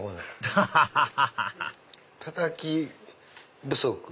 アハハハハたたき不足。